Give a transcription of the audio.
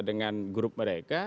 dengan grup mereka